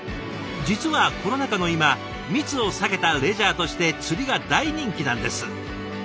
実はコロナ禍の今密を避けたレジャーとして釣りが大人気なんです。